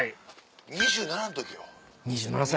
２７の時よ。